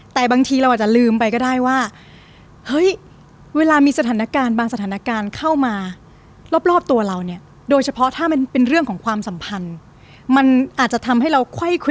แต่บางทีเราอาจจะลืมไปก็ได้ว่า